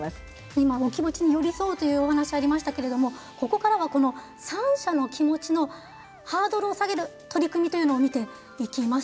今、お気持ちに寄り添うというお話がありましたがここからは、３者の気持ちのハードルを下げる取り組みを見ていきます。